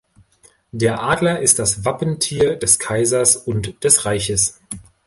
Der Adler ist das Wappentier des Kaisers und des Reiches.